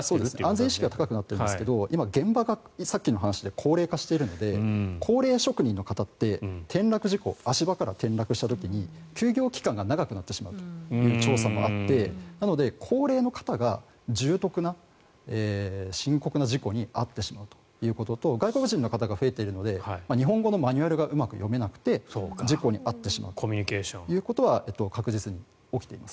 安全意識は高くなっていますがさっきの話で、現場が高齢化しているので高齢職人の方って転落事故、足場から転落した時に休業期間が長くなってしまうという調査があってなので高齢の方が重篤な深刻な事故に遭ってしまうということと外国人の方が増えているので日本語のマニュアルがうまく読めなくて事故に遭ってしまうということは確実に起きています。